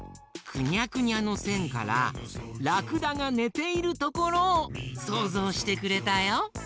くにゃくにゃのせんからラクダがねているところをそうぞうしてくれたよ！